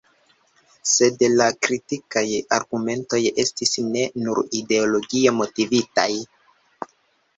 Sed la kritikaj argumentoj estis ne nur ideologie motivitaj.